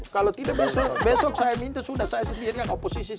kalau tidak besok besok saya minta sudah saya sendiri kan oposisi